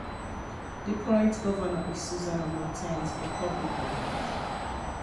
The current governor is Susana Martinez, a Republican.